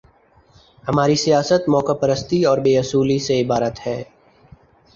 ہماری سیاست موقع پرستی اور بے اصولی سے عبارت ہے۔